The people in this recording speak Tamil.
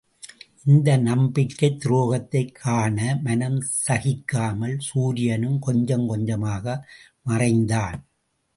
இந்த நம்பிக்கைத் துரோகத்தைக் காண மனம் சகிக்காமல், சூரியனும் கொஞ்சங் கொஞ்சமாக மறைந்தான்.